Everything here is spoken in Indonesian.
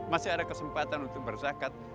masih ada kesempatan untuk berzakat